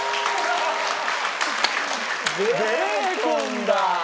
ベーコンだ！！